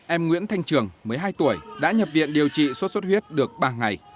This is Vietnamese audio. em nguyễn thanh trường một mươi hai tuổi đã nhập viện điều trị sốt xuất huyết được ba ngày